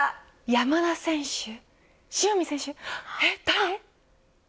山田選手塩見選手、誰。